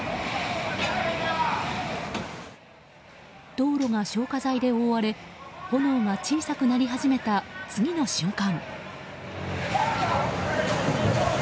道路が消火剤で覆われ炎が小さくなり始めた次の瞬間。